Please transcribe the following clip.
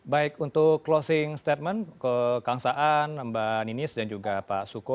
baik untuk closing statement ke kang saan mbak ninis dan juga pak suko